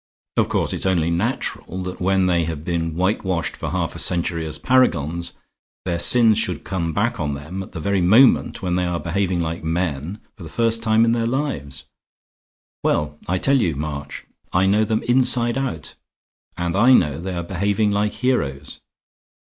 Of course it's only natural that when they have been whitewashed for half a century as paragons, their sins should come back on them at the very moment when they are behaving like men for the first time in their lives. Well, I tell you, March, I know them inside out; and I know they are behaving like heroes.